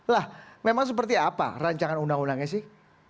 lah memang seperti apa rancangan undang undangnya sih